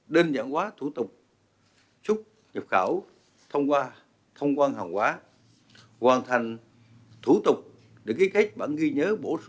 đơn giản hóa thủ tục chúc nhập khảo thông qua thông quan hàng hóa hoàn thành thủ tục để ký kết bản ghi nhớ